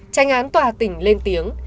tranh án tòa tỉnh lên tiếng